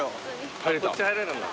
こっち入れるんだ。